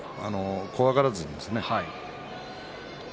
怖がらずにですね。